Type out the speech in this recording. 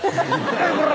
「何やこれ！」